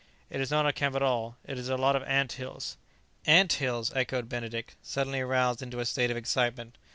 "It is not a camp at all; it is a lot of ant hills!" "Ant hills!" echoed Benedict, suddenly aroused into a state of excitement.